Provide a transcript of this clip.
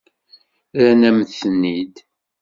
Rran-am-ten-id.